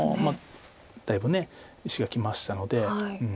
だいぶ石がきましたので。